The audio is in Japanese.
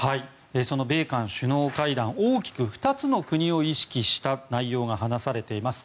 その米韓首脳会談大きく２つの国を意識した内容が話されています。